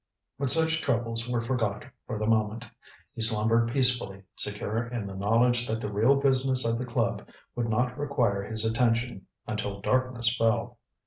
But such troubles were forgot for the moment. He slumbered peacefully, secure in the knowledge that the real business of the club would not require his attention until darkness fell.